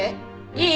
いい？